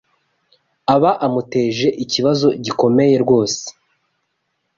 aba amuteje ikibazo gikomeye rwose